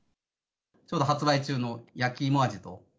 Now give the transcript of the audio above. ちょうど発売中の焼き芋味と。